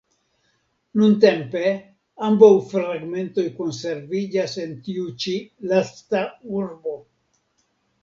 Nuntempe ambaŭ fragmentoj konserviĝas en tiu ĉi lasta urbo.